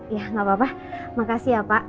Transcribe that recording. iya gak apa apa makasih ya pak